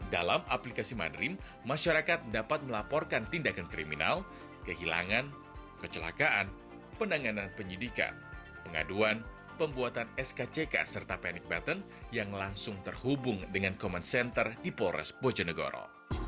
dalam aplikasi madrim masyarakat dapat melaporkan tindakan kriminal kehilangan kecelakaan penanganan penyidikan pengaduan pembuatan skck serta panic button yang langsung terhubung dengan common center di polres bojonegoro